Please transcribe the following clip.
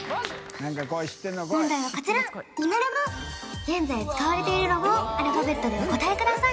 何かこい知ってんのこい現在使われているロゴをアルファベットでお答えください